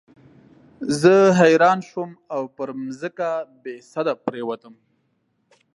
زه حیران شوم او پر مځکه بېسده پرېوتلم.